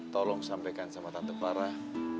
tolong sampaikan sama tante parah